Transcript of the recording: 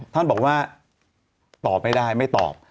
ท่านบอกว่าตอบไม่ได้ไม่ตอบ